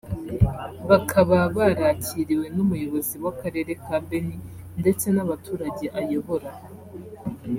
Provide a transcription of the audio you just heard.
bakaba barakiriwe n’Umuyobozi w’Akarere ka Beni ndetse n’abaturage ayobora